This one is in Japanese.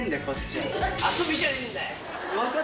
こっちは。